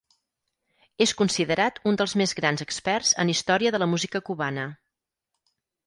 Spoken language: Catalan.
És considerat un dels més grans experts en història de la música cubana.